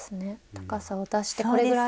高さを出してこれぐらい？